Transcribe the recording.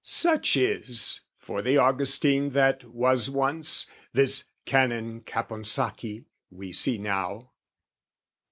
Such is, for the Augustine that was once, This Canon Caponsacchi we see now.